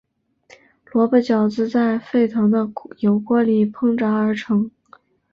萝卜饺子在沸腾的油锅里烹炸而成。